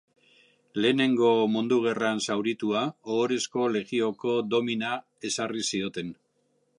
Lehenengo Mundu Gerran zauritua, Ohorezko Legioko domina ezarri zioten.